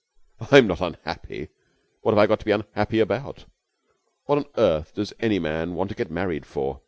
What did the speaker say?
"I'm not unhappy. What have I got to be unhappy about? What on earth does any man want to get married for?